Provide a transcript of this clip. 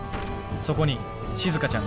そこにしずかちゃんが。